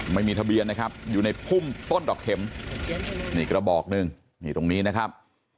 ไม่มีทะเบียนนะครับอยู่ในพุ่มต้นดอกเข็มนี่กระบอกหนึ่งนี่ตรงนี้นะครับ